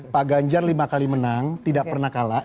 pak ganjar lima kali menang tidak pernah kalah